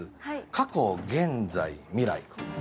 過去・現在・未来。